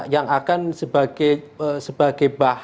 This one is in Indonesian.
yang akan sebagai bahan dari tim penyelidik